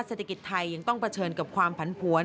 เศรษฐกิจไทยยังต้องเผชิญกับความผันผวน